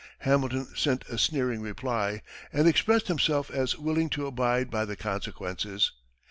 Hamilton sent a sneering reply, and expressed himself as willing to abide by the consequences.